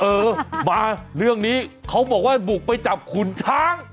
เออมาเรื่องนี้เขาบอกว่าบุกไปจับขุนช้าง